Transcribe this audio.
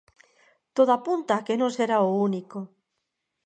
Todo apunta a que non será o único.